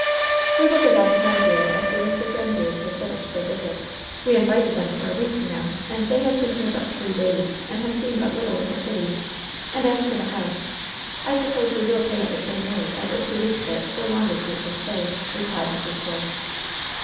"We will go down to Mondreer as soon as the Gran dieres have finished their visit. We invited them for a week, you know, and they have been here but three days, and have seen but little of the city. And as to the house, I suppose we will pay at the same rate at which we leased it, so long as we shall stay," replied Mrs. Force.